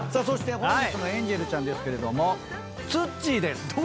そして本日のエンジェルちゃんですけれどもツッチーです。